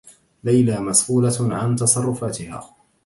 ليلى مسؤولة عن تصرّفاتها.